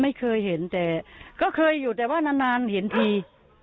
ไม่เคยเห็นแต่ก็เคยอยู่แต่ว่านานนานเห็นที